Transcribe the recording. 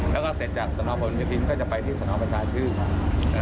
และเสร็จจากสภโยธินก็จะไปที่สประชาชื่น